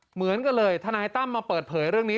เหมือนกันเลยทนายตั้มมาเปิดเผยเรื่องนี้